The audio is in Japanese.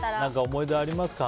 思い出ありますか？